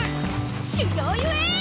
修行ゆえ！